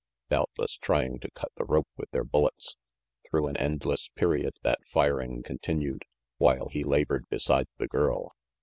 Doubtless trying to cut the rope with their bullets. Through an endless period that firing continued, while he labored beside the girl.